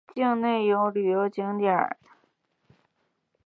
境内有旅游景点谷窝普熔洞。